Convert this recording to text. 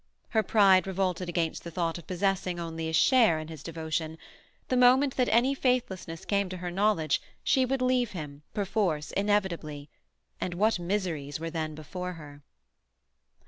Her pride revolted against the thought of possessing only a share in his devotion; the moment that any faithlessness came to her knowledge she would leave him, perforce, inevitably—and what miseries were then before her!